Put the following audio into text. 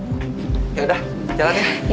yaudah jalan ya